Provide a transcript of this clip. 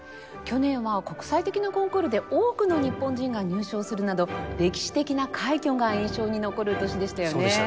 去年は国際的なコンクールで多くの日本人が入賞するなど歴史的な快挙が印象に残る年でしたよね。